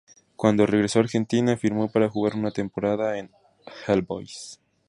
Cuando regreso a Argentina firmó para jugar una temporada en All Boys.